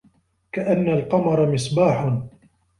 كَأَنَّ الْقَمَرَ مِصْبَاحٌ.